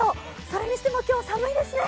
それにしても今日、寒いですね。